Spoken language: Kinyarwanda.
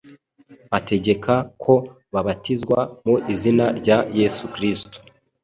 Ategeka ko babatizwa mu izina rya Yesu Kristo.”